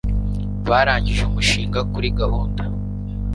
barangije umushinga kuri gahunda